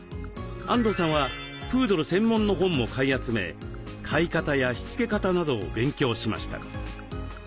安藤さんはプードル専門の本も買い集め飼い方やしつけ方などを勉強しました。